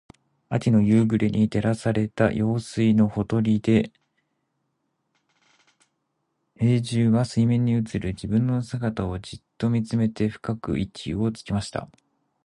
秋の夕暮れに照らされた用水のほとりで、兵十は水面に映る自分の姿をじっと見つめて深く息をつきました。